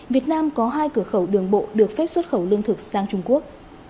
việt nam có hai cửa khẩu đường bộ được phép xuất khẩu lương thực sang trung quốc